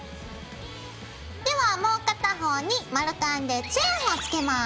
ではもう片方に丸カンでチェーンをつけます。